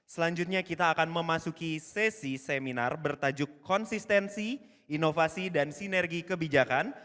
selanjutnya kita akan memasuki sesi seminar bertajuk konsistensi inovasi dan sinergi kebijakan